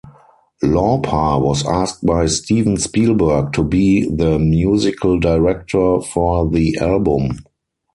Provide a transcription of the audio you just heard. Lauper was asked by Steven Spielberg to be the musical director for the album.